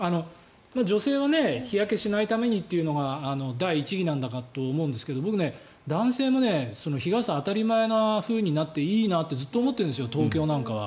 女性は日焼けしないためにっていうのが第一義なんだと思うんですが僕、男性も日傘、当たり前になっていいなってずっと思ってるんです東京なんかは。